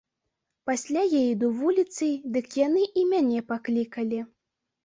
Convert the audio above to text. Пасля я іду вуліцай, дык яны і мяне паклікалі.